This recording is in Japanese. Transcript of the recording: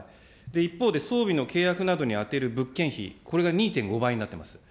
一方で、装備の契約などに充てる物件費、これが２．５倍になってます。